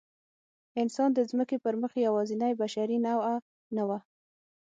انسان د ځمکې پر مخ یواځینۍ بشري نوعه نه وه.